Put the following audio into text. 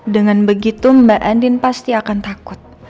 dengan begitu mbak andin pasti akan takut